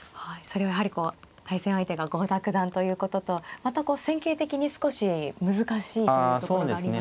それはやはり対戦相手が郷田九段ということとまたこう戦型的に少し難しいというところがありますか。